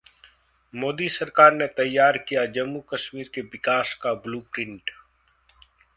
मोदी सरकार ने तैयार किया जम्मू-कश्मीर के विकास का ब्लूप्रिंट